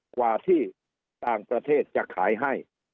กว่าที่ต่างประเทศจะขายให้